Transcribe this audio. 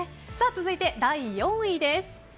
続いて、第４位です。